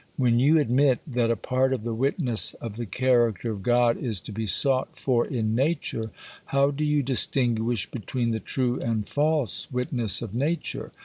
When you admit that a part of the witness of the character of God is to be sought for in nature, how do you distinguish between the true and false witness of nature?